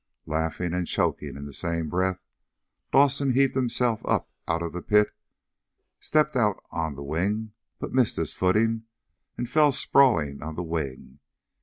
Laughing and choking in the same breath, Dawson heaved himself up out of the pit, stepped out on the wing but missed his footing and fell sprawling on the wing.